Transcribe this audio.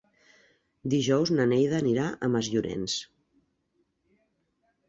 Dijous na Neida anirà a Masllorenç.